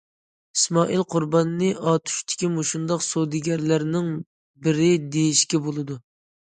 ئىسمائىل قۇرباننى ئاتۇشتىكى مۇشۇنداق سودىگەرلەرنىڭ بىرى دېيىشكە بولىدۇ.